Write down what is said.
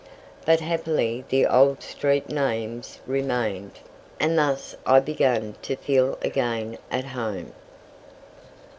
But happily the old street names remained, and thus I began to feel again at home.